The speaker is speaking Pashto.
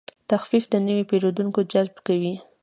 تخفیف د نوي پیرودونکو جذب کوي.